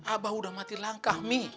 ah bah udah mati langkah mi